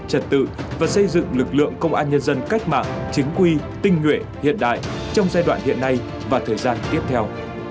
trật tự và xây dựng lực lượng công an nhân dân cách mạng chính quy tinh nguyện hiện đại trong giai đoạn hiện nay và thời gian tiếp theo